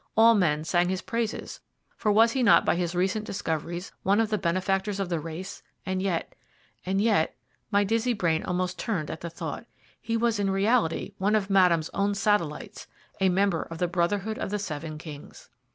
All men sang his praises, for was he not by his recent discoveries one of the benefactors of the race; and yet and yet my dizzy brain almost turned at the thought he was in reality one of Madame's own satellites, a member of the Brotherhood of the Seven Kings.